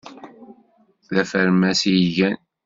D afermas i gan.